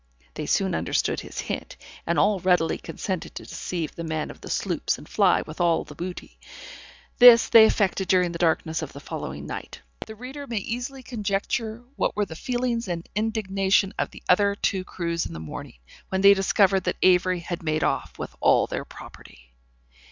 They soon understood his hint, and all readily consented to deceive the men of the sloops, and fly with all the booty; this they effected during the darkness of the following night. The reader may easily conjecture what were the feelings and indignation of the other two crews in the morning, when they discovered that Avery had made off with all their property.